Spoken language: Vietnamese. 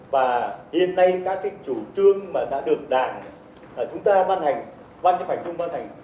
và hiện nay các chủ trương đã được đảng chúng ta ban hành quan chức hành trung ban hành